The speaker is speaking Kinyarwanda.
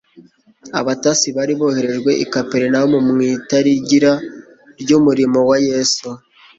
Abatasi bari boherejwe i Kaperinawumu mu itarigira ry'umurimo wa Yesu,